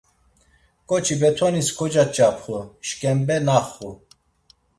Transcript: K̆oçi betonis kocaç̌apxu, şǩembe naxu.